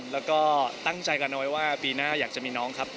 แล้วก็ตั้งใจกันเอาไว้ว่าปีหน้าอยากจะมีน้องครับ